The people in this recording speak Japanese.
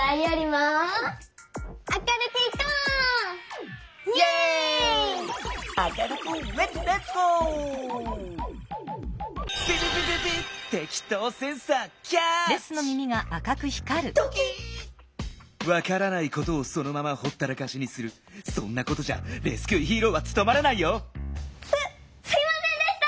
すすいませんでした！